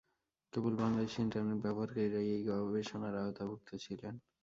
কেবল Bangladeshi internet ব্যবহারকারীরাই এই গবেষণার আওতাভুক্ত ছিলেন।